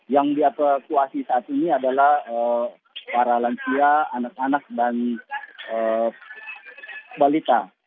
yang dievakuasi saat ini adalah para lansia anak anak dan balita